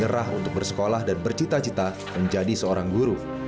menyerah untuk bersekolah dan bercita cita menjadi seorang guru